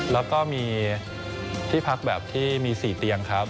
แล้วก็มีที่พักแบบที่มี๔เตียงครับ